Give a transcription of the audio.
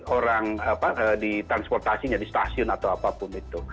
orang di transportasinya di stasiun atau apapun itu